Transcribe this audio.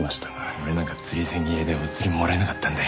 俺なんかつり銭切れでおつりもらえなかったんだよ。